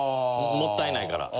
もったいないから。